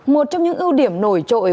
một trong những ưu điểm nổi trội